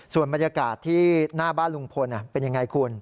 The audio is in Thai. ส่วนบรรยากาศที่หน้าบ้านลุงพลเป็นยังไงคุณ